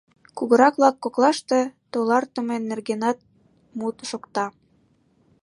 Кугырак-влак коклаште тулартыме нергенат мут шокта.